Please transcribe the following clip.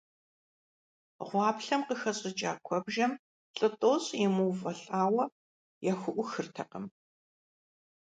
Гъуаплъэм къыхэщӀыкӀа куэбжэм лӀы тӀощӀ емыувэлӀауэ яхуӀухыртэкъым.